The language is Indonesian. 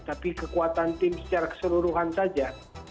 tapi kekuatan tim secara keseluruhan saja